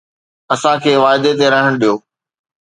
اسان کي وعدي تي رهڻ ڏيو